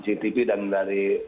ctv dan dari